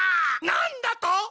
なんだと！？